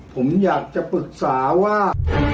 ผมอยากจะปรึกษาว่า